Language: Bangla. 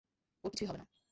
ওর কিছুই হবে না।